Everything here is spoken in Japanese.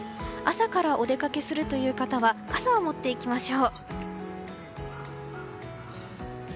朝からお出かけするという方は傘を持っていきましょう。